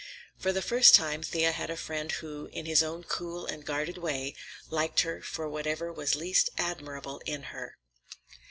For the first time Thea had a friend who, in his own cool and guarded way, liked her for whatever was least admirable in her.